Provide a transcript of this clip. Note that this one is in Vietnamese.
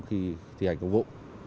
khi thi hành công vụ